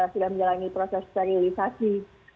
sudah menjalani proses sterilisasi